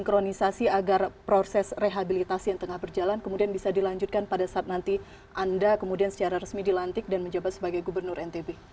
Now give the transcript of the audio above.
kronisasi agar proses rehabilitasi yang tengah berjalan kemudian bisa dilanjutkan pada saat nanti anda kemudian secara resmi dilantik dan menjabat sebagai gubernur ntb